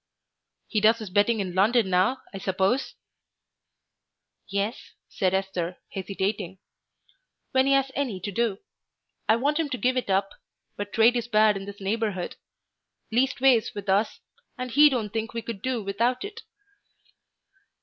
"He does his betting in London now, I suppose?" "Yes," said Esther, hesitating "when he has any to do. I want him to give it up; but trade is bad in this neighbourhood, leastways, with us, and he don't think we could do without it."